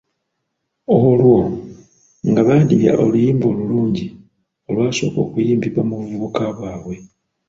Oolwo nga badibya oluyimba olulungi olwasooka okuyimbibwa mu buvubuka bwe.